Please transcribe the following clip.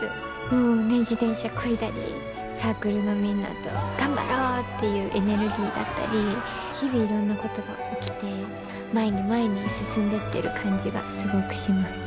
もうね自転車こいだりサークルのみんなと頑張ろうっていうエネルギーだったり日々いろんなことが起きて前に前に進んでってる感じがすごくします。